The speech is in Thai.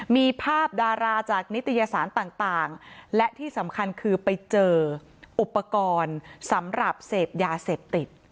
มีภาพดาราจากนิตยสารต่างและที่สำคัญคือไปเจออุปกรณ์สำหรับเสพยาเสพติด